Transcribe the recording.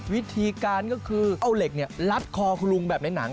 วิธีการก็คือเอาเหล็กลัดคอคุณลุงแบบในหนัง